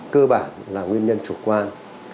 cơ bản là nguyên nhân trục quan